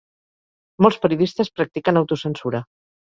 Molts periodistes practiquen autocensura.